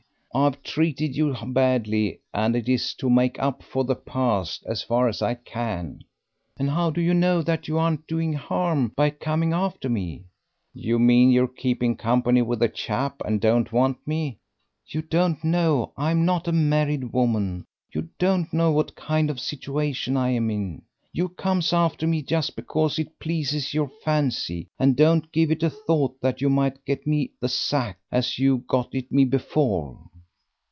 I've treated you badly, and it is to make up for the past as far as I can " "And how do you know that you aren't doing harm by coming after me?" "You mean you're keeping company with a chap and don't want me?" "You don't know I'm not a married woman; you don't know what kind of situation I'm in. You comes after me just because it pleases your fancy, and don't give it a thought that you mightn't get me the sack, as you got it me before."